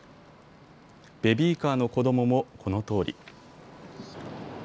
ベビーカーの子どももこのとおり。